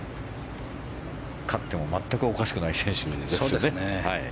勝っても全くおかしくない選手ですね。